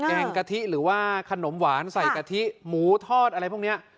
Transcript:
แกงกะทิหรือว่าขนมหวานใส่กะทิหมูทอดอะไรพวกนี้